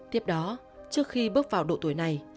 tiếp đó trước khi bước vào độ tuổi này